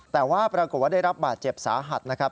แต่ว่าปรากฏว่าได้รับบาดเจ็บสาหัสนะครับ